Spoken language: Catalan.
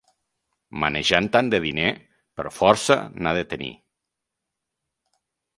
Manejant tant de diner, per força n'ha de tenir.